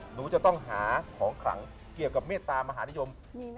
หนูจะต้องหาของขลังเกี่ยวกับเมตตามหานิยม